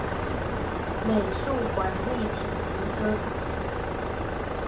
美術館立體停車場